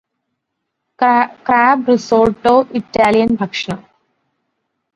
crab risotto Italian ഭക്ഷണം